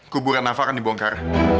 kuburan nafa akan dibongkar